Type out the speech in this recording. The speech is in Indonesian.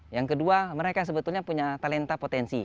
yang kedua mereka sebetulnya punya talenta potensi